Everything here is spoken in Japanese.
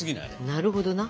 なるほどな。